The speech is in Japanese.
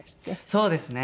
そうですね。